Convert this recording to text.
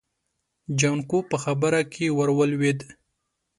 جانکو په خبره کې ور ولوېد.